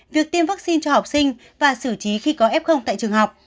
việc tiêm vaccine cho học sinh và xử trí khi có f tại trường học